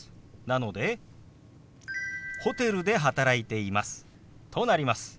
なので「ホテルで働いています」となります。